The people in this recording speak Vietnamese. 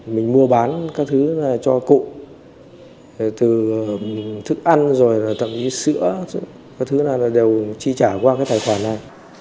mình mua bán các thứ này cho cụ từ thức ăn rồi tậm chí sữa các thứ này đều chi trả qua cái tài khoản này